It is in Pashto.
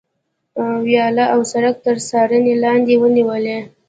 ویاله او سړک تر څارنې لاندې ونیول.